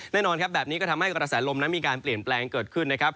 แน่นอนแบบนี้ก็ทำให้กราศาลมนั้นมีการเปลี่ยนแปลงเกิดขึ้น